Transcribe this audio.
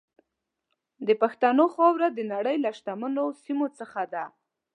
د پښتنو خاوره د نړۍ له شتمنو سیمو څخه ده.